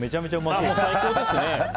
もう最高ですね。